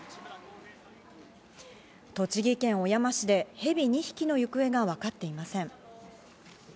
栃木県小山市で蛇２匹の行方がわかっていません。